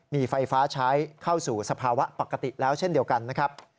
มีไฟฟ้าใช้เข้าสู่สภาวะปกติแล้วเช่นเดียวกันนะครับ